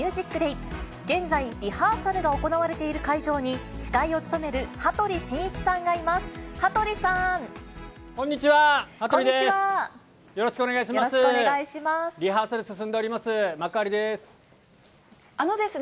現在、リハーサルが行われている会場に、司会を務める羽鳥慎一さんがいます。